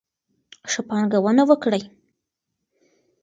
ښه پانګونه وکړئ.